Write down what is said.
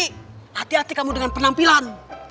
hati hati kamu dengan penampilan